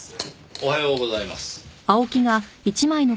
おはようございます。